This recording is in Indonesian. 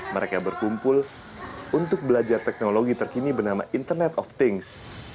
mereka berkumpul untuk belajar teknologi terkini bernama internet of things